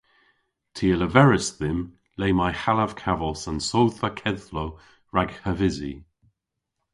Ty a leveris dhymm le may hallav kavos an sodhva kedhlow rag havysi.